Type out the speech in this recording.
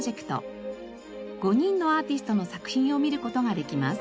５人のアーティストの作品を見る事ができます。